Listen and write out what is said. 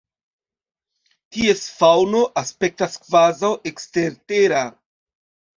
Ties faŭno aspektas kvazaŭ ekstertera.